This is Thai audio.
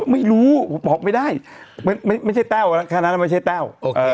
ไม่รู้ผมบอกไม่ได้ไม่ใช่แต้วแค่นั้นไม่ใช่แต้ว